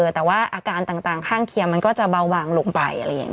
แต่ว่าอาการต่างข้างเคียงมันก็จะเบาวางลงไป